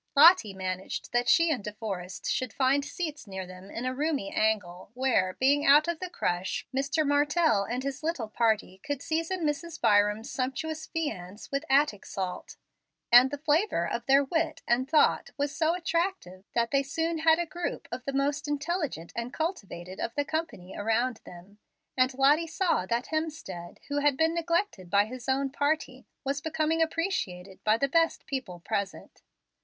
Lottie managed that she and De Forrest should find seats near them in a roomy angle, where, being out of the crush, Mr. Martell and his little party could season Mrs. Byram's sumptuous viands with Attic salt. And the flavor of their wit and thought was so attractive that they soon had a group of the most intelligent and cultivated of the company around them, and Lottie saw that Hemstead, who had been neglected by his own party, was becoming appreciated by the best people present.